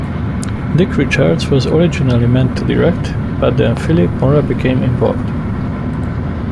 Dick Richards was originally meant to direct but then Philippe Mora became involved.